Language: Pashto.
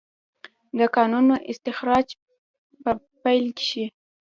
د کانونو استخراج به پیل شي؟